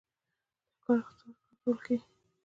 د ښکار اقتصاد کنټرول کیږي